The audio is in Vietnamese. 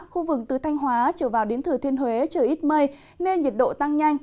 khu vực từ thanh hóa trở vào đến thừa thiên huế trời ít mây nên nhiệt độ tăng nhanh